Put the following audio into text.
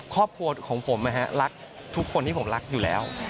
ครอบครัวของผมนะฮะรักทุกคนที่ผมรักอยู่แล้ว